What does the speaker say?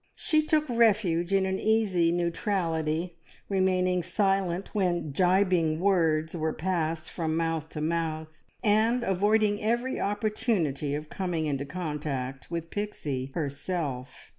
She took refuge in an easy neutrality, remaining silent when gibing words were passed from mouth to mouth, and avoiding every opportunity of coming into contact with Pixie herself.